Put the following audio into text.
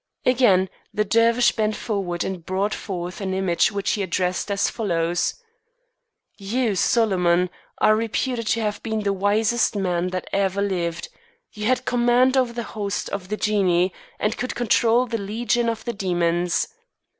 Again the Dervish bent forward and brought forth an image which he addressed as follows: "You, Solomon, are reputed to have been the wisest man that ever lived. You had command over the host of the Genii and could control the legion of the demons.